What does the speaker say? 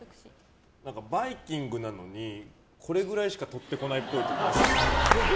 バイキングなのにこれくらいしかとってこないっぽい。